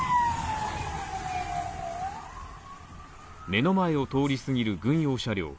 目の前を通り過ぎる軍用車両。